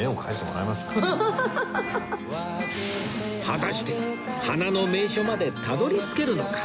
果たして花の名所までたどり着けるのか？